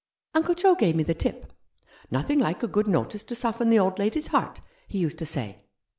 "Uncle Joe gave me the tip. 'Nothing like a good notice to soften the old lady's heart,' he used to say."